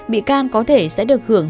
bị can có thể sẽ được hưởng